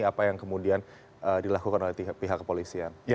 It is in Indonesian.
apa yang kemudian dilakukan oleh pihak kepolisian